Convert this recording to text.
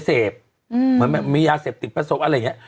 เสพอืมเหมือนมียาเสพติดประสบอะไรอย่างเงี้ย